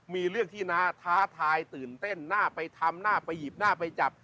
มีเรื่องที่น้าท้าทายตื่นเต้นน่าไปทำหน้าไปหยิบหน้าไปจับ